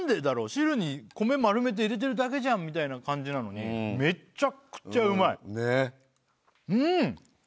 汁に米丸めて入れてるだけじゃんみたいな感じなのにねっうん！